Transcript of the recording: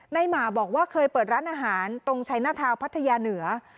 หมาบอกว่าเคยเปิดร้านอาหารตรงชัยหน้าทาวน์พัทยาเหนือ